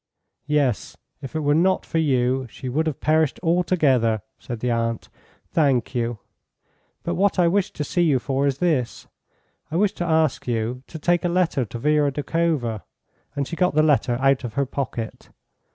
"Yes, if it were not for you she would have perished altogether," said the aunt. "Thank you. But what I wished to see you for is this: I wished to ask you to take a letter to Vera Doukhova," and she got the letter out of her pocket.